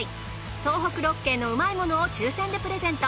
東北６県のうまいものを抽選でプレゼント。